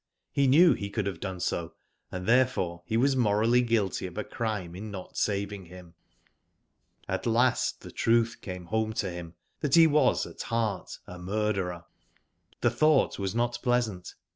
He knew he could have done so, and therefore he was morally guilty of a crime in not saving him. At last the truth came home to him that he was at heart a murderer. The thought was not pleasant.